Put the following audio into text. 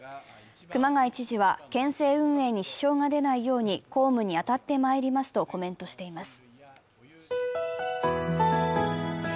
熊谷知事は県政運営に支障が出ないように公務に当たってまいりますとコメントしています。